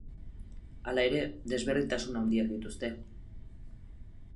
Hala ere, desberdintasun handiak dituzte.